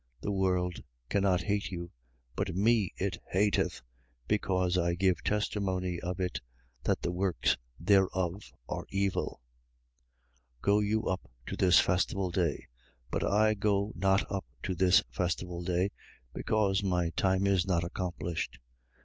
The world cannot hate you: but me it hateth, because I give testimony of it, that the works thereof are evil, 7:8. Go you up to this festival day: but I go not up to this festival day, because my time is not accomplished. 7:9.